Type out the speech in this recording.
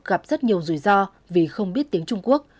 gặp rất nhiều rủi ro vì không biết tiếng trung quốc